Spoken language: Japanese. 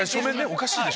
おかしいでしょ。